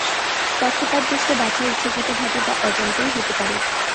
পক্ষপাতদুষ্ট বাছাই ইচ্ছাকৃতভাবে বা অজান্তেই হতে পারে।